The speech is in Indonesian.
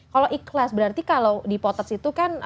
kalau ikhlas berarti kalau dipotos itu kan